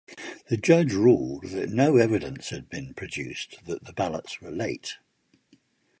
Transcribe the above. The judge ruled that no evidence had been produced that the ballots were late.